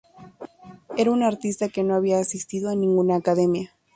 Era un artista que no había asistido a ninguna academia.